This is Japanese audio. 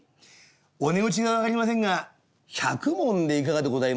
お値打ちが分かりませんが百文でいかがでございます？」。